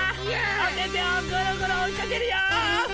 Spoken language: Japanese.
おててをぐるぐるおいかけるよ！